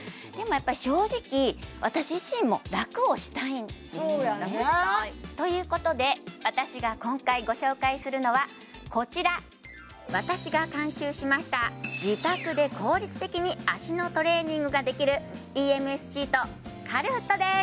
やっぱり正直そうやんなということで私が今回ご紹介するのはこちら私が監修しました自宅で効率的に脚のトレーニングができるＥＭＳシートカルフットです